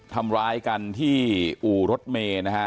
ทำร้ายกันที่อู่รถเมย์นะฮะ